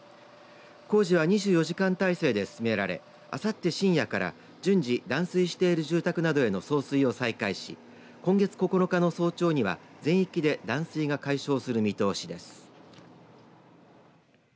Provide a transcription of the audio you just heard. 工事は２４時間態勢で進められあさって深夜から順次断水している住宅などへの送水を再開し今月９日の早朝には全域で断水が解消する見通しです。